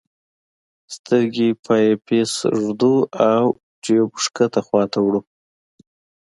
سترګې په آی پیس ږدو او ټیوب ښکته خواته وړو.